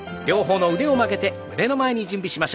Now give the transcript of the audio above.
両方の腕を曲げて胸の前に。